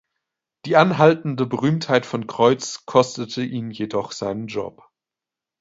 Die anhaltende Berühmtheit von Kreuz kostete ihn jedoch seinen Job.